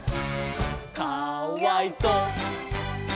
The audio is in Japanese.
「かわいそ！」